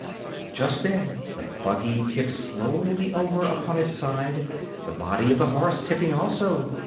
] Just then the buggy tipped slowly over upon its side, the body of the horse tipping also.